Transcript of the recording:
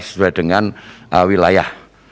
sesuai dengan wilayah